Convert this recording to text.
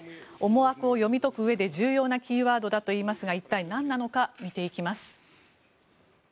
思惑を読み解くうえで重要なキーワードだといいますが一体、なんなのか見ていきます。